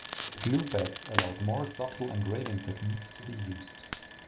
Glue-bats allowed more subtle engraving techniques to be used.